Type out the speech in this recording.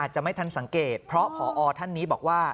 จะไม่ทันสังเกตเพราะพอท่านนี้บอกว่า